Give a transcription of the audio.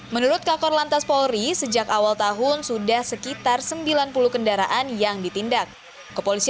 menurut kakor lantas polri sejak awal tahun sudah sekitar sembilan puluh kendaraan yang ditindak